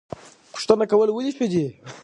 پوښتنه کول ولې ښه دي؟